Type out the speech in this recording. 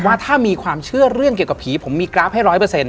ว่าถ้ามีความเชื่อเรื่องเกี่ยวกับผีผมมีกราฟให้๑๐๐